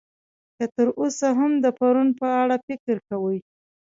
که تر اوسه هم د پرون په اړه فکر کوئ.